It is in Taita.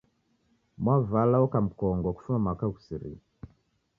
Mwavala oka mkongo kufuma mwaka ghusirie